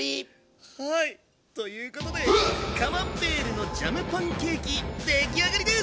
ということでカマンベールのジャムパンケーキ出来上がりです！